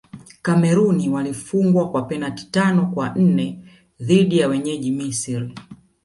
cameroon walifungwa kwa penati tano kwa nne dhidi ya wenyeji misri